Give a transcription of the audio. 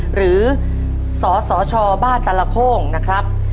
หรือสสชบ้านตลโค้งนะครับ